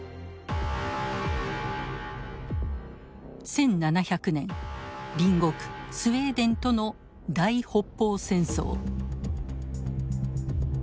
１７００年隣国スウェーデンとの大北方戦争。